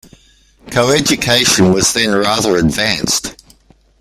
Coeducation was then rather advanced.